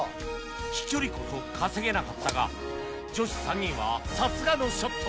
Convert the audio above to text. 飛距離こそ稼げなかったが女子３人はさすがのショット